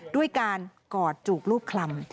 ด้วยการกอดจูบรูปคลำ